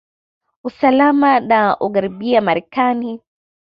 usalama na ugharibiya marekani